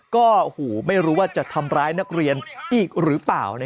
ก็ไม่รู้ว่าจะทำร้ายนักเรียนอีกหรือเปล่า